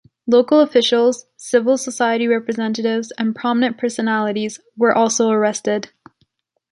Local officials, civil society representatives and prominent personalities were also arrested.